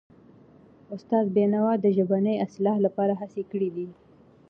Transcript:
استاد بینوا د ژبني اصلاح لپاره هڅې کړی دي.